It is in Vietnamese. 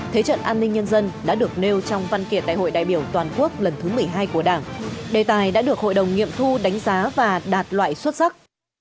thế trận an ninh nhân dân đã được nêu trong văn kiện đại hội đại biểu toàn quốc lần thứ một mươi hai của đảng đề tài đã được hội đồng nghiệm thu đánh giá và đạt loại xuất sắc